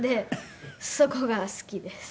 そこが好きです。